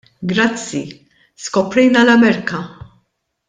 Grazzi, skoprejna l-Amerka!